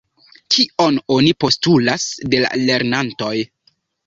Kion oni postulas de la lernantoj?